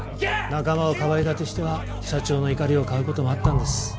仲間をかばい立てしては社長の怒りを買う事もあったんです。